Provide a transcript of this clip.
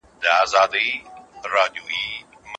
نړيوال سياست د کورني سياست په پرتله خورا ډېر پراخ دی.